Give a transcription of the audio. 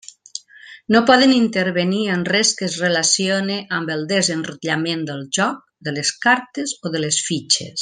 No poden intervenir en res que es relacione amb el desenrotllament del joc, de les cartes o de les fitxes.